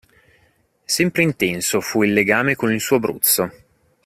Sempre intenso fu il legame con il suo Abruzzo.